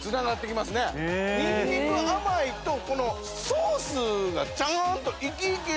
ニンニク甘いとこのソースがちゃんと生き生きしてる。